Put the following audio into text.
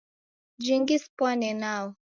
Jingi sipwane nao.